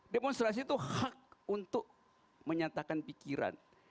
demonstrasi itu hak untuk menyatakan pikiran